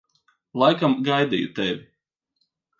Laikam gaidīju tevi.